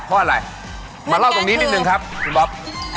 เพื่อนแกล้งคือมาเล่าตรงนี้นิดนึงครับคุณบ๊อบ